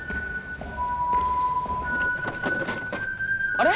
あれ？